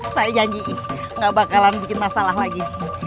saya janjiin gak bakalan bikin masalah lagi